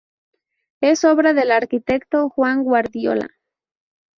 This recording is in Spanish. Es obra del arquitecto Juan Guardiola.